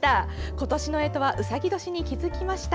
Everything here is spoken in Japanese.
今年のえとはうさぎ年に気付きました。